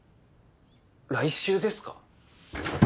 来週ですか？